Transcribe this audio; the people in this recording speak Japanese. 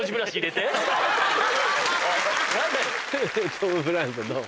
トム・ブラウンどう？